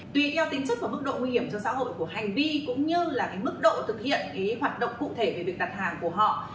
tùy theo tính chất và mức độ nguy hiểm cho xã hội của hành vi cũng như là mức độ thực hiện hoạt động cụ thể về việc đặt hàng của họ